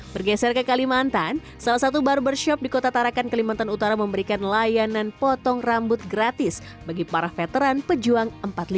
bergeser ke kalimantan salah satu barbershop di kota tarakan kalimantan utara memberikan layanan potong rambut gratis bagi para veteran pejuang empat puluh lima